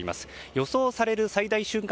予想される最大瞬間